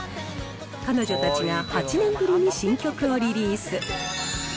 彼女たちが８年ぶりに新曲をリリース。